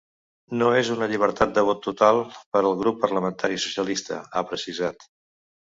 “No és una llibertat de vot total per al grup parlamentari socialista”, ha precisat.